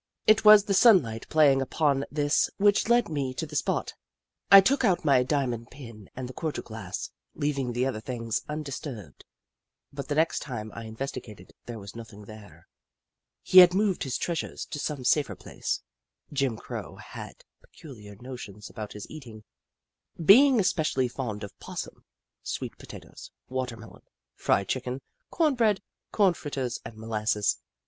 It was the sunlight playing upon this which led me to the spot. I took out my diamond pin and the cordial glass, leaving the other things undis turbed, but the next time I investigated, there was nothing there. He had moved his treas ures to some safer place. Jim Crow had peculiar notions about his eating, being especially fond of 'possum, sweet potatoes, watermelon, fried Chicken, corn bread, corn fritters, and molasses.